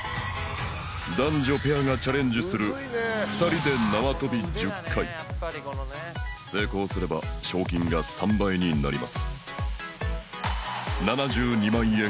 男女ペアがチャレンジする２人でなわとび１０回成功すれば賞金が３倍になります